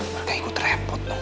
mereka ikut repot dong